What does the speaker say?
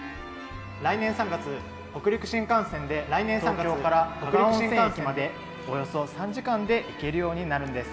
来年３月、北陸新幹線で東京から加賀温泉駅までおよそ３時間で行けるようになるんです。